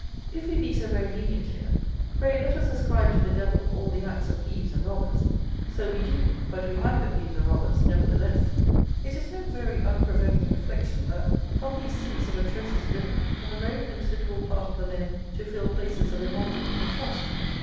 If we be so very lenient here, pray let us ascribe to the Devil all the acts of thieves and robbers: so we do; but we hang the thieves and robbers, nevertheless. It is no very unprovoking reflection, that from these sinks of atrocious villany come a very considerable part of the men to fill places of emolument and trust.